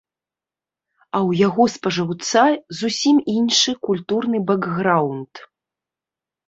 А ў яго спажыўца зусім іншы культурны бэкграўнд.